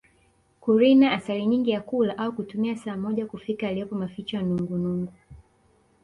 Kurina asali nyingi ya kula au kutumia saa moja kufika yalipo maficho ya nungunungu